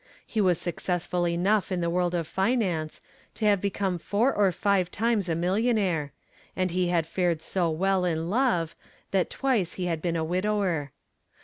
He was successful enough in the world of finance to have become four or five times a millionaire, and he had fared so well in love that twice he had been a widower.